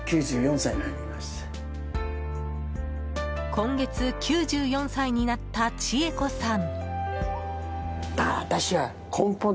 今月、９４歳になった千恵子さん。